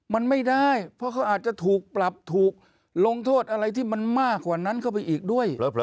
มันไม่ได้เพราะเขาอาจจะถูกปรับถูกลงโทษอะไรที่มันมากกว่านั้นเข้าไปอีกด้วย